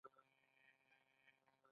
کلک شان ښه دی.